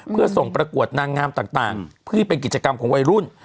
เพื่อส่งประกวดนางงามต่างเพื่อเป็นกิจกรรมของวัยรุ่น